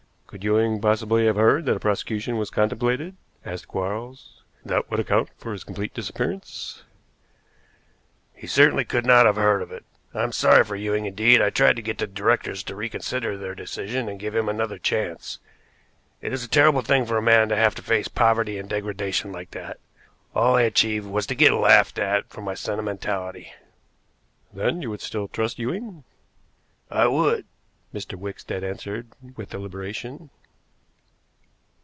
"Could Ewing possibly have heard that a prosecution was contemplated?" asked Quarles. "That would account for his complete disappearance." "He certainly could not have heard of it. I am sorry for Ewing; indeed, I tried to get the directors to reconsider their decision and give him another chance. It is a terrible thing for a man to have to face poverty and degradation like that. All I achieved was to get laughed at for my sentimentality." "Then you would still trust Ewing?" "I would," Mr. Wickstead answered with deliberation.